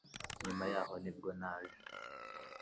nyuma yaho nibwo naje